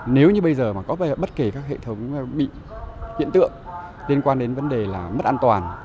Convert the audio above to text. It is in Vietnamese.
nếu như bây giờ mà có bất kể các hệ thống bị hiện tượng liên quan đến vấn đề là mất an toàn